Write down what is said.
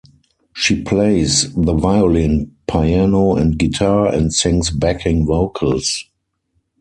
She plays the violin, piano and guitar, and sings backing vocals.